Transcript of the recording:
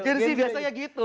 gen z biasanya begitu